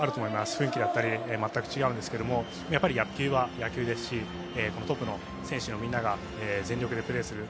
雰囲気だったり全く違うんですけどやっぱり野球は野球ですしトップの選手のみんなが全力でプレーする。